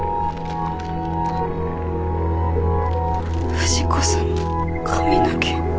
「藤子さんの髪の毛」。